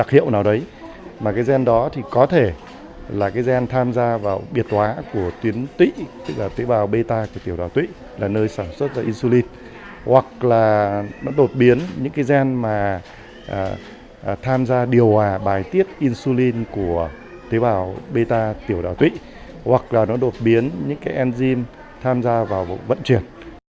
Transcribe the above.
hoặc là nó đột biến những cái enzyme tham gia vào vận chuyển